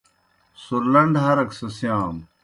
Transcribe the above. سُرلنڈ ہرَک سہ سِیانوْ